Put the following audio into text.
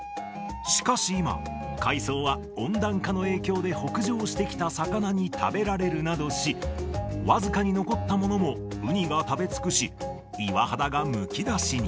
しかし今、海藻は温暖化の影響で北上してきた魚に食べられるなどし、僅かに残ったものもウニが食べ尽くし、岩肌がむき出しに。